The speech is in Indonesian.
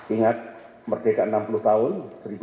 ingat merdeka enam puluh tahun satu seratus